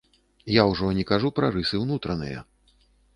Я ўжо не кажу пра рысы ўнутраныя.